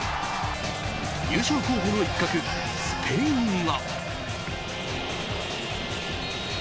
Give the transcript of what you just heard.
優勝候補の一角、スペインが。